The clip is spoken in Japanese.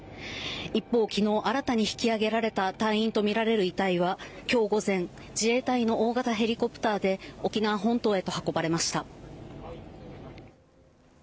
一方、きのう新たに新たに引きあげられた隊員と見られる遺体は、きょう午前、自衛隊の大型ヘリコプターで沖縄本島へと運ばれました。